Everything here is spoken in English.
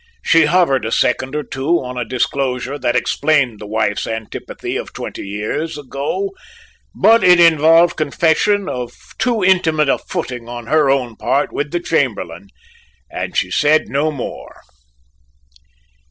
She hovered a second or two on a disclosure that explained the wife's antipathy of twenty years ago, but it involved confession of too intimate a footing on her own part with the Chamberlain, and she said no more.